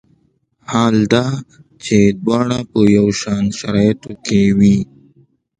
حال دا چې دواړه په یو شان شرایطو کې وي.